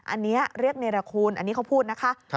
อันนี้เรียกเนรคูณอันนี้เขาพูดนะคะ